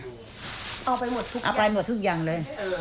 เอาไปหมดทุกอย่างเอาไปหมดทุกอย่างเลย